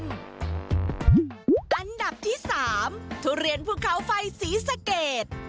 อันดับที่๓ทุเรียนภูเขาไฟศรีสะเกด